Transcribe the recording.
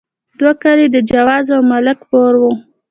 دوه کلي د جوزه او ملک پور وو.